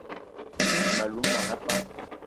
Mmem- alou mona pam